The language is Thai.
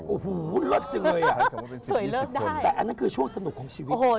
โอ้โหเลิศจังเลยอ่ะแต่อันนั้นคือช่วงสนุกของชีวิต